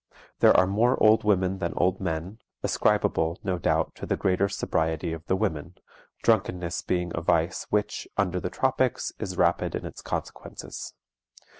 There are more old women than old men, ascribable, no doubt, to the greater sobriety of the women, drunkenness being a vice which, under the tropics, is rapid in its consequences.